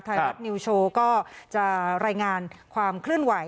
ไทยรัฐนิวโชว์ก็จะรายงานความเคลื่อนไหว